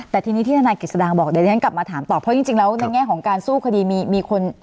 แต่ทีนี้ที่ธนายกิจสดางบอกเดี๋ยวที่ฉันกลับมาถามต่อเพราะจริงแล้วในแง่ของการสู้คดีมีคน